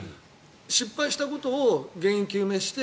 失敗したことを原因を究明して